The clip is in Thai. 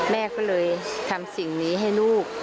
แม่ก็เลยทำสิ่งนี้ให้ลูก